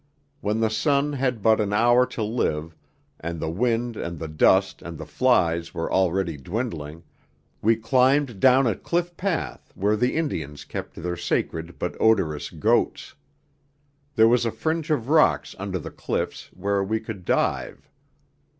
When the sun had but an hour to live, and the wind and the dust and the flies were already dwindling, we climbed down a cliff path where the Indians kept their sacred but odorous goats. There was a fringe of rocks under the cliffs where we could dive.